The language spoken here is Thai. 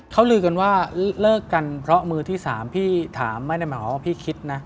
เขาลือกันว่าเลิกกันเพราะมือที่๓พี่ถามไม่ได้หมายความว่าพี่คิดนะ